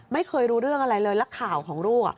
ไม่เคยรู้เรื่องอะไรเลยแล้วข่าวของลูก